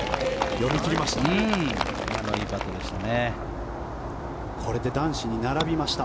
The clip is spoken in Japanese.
読み切りました。